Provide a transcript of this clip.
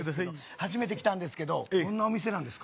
初めて来たんですけどどんなお店なんですか？